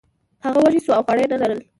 هغه وږی شو او خواړه یې نه لرل.